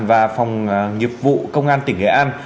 và phòng nhiệm vụ công an tỉnh nghệ an